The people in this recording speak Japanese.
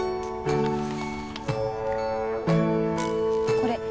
これ。